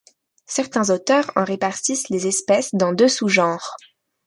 Certains auteurs en répartissent les espèces dans deux sous-genres.